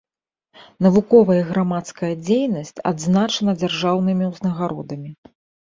Навуковая і грамадская дзейнасць адзначана дзяржаўнымі ўзнагародамі.